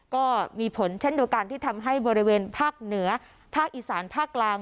ก็มีผลเช่นเดียวกันที่ทำให้บริเวณภาคเหนือภาคอีสานภาคกลาง